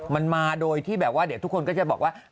มันมาโดยที่แบบว่าเดี๋ยวทุกคนก็จะบอกว่า